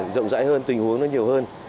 động dãi hơn tình huống nó nhiều hơn